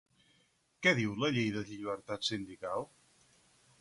Què diu la llei de llibertat sindical?